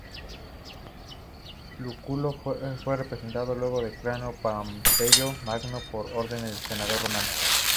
Lúculo fue reemplazado luego por Cneo Pompeyo Magno por orden del Senado romano.